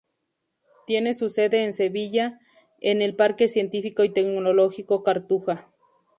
Tiene su sede en Sevilla, en el Parque Científico y Tecnológico Cartuja.